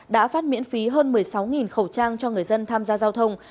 đã phát miễn phí hơn một mươi sáu khẩu trang cho người dân tham gia giao thông